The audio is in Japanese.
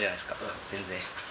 全然。